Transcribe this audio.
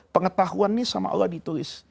pengetahuan ini sama allah ditulis